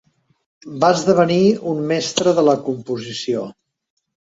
Va esdevenir un mestre de la composició.